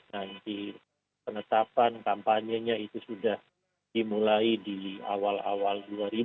nanti penetapan kampanyenya itu sudah dimulai di awal awal dua ribu dua puluh